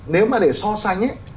nếu mà để so sánh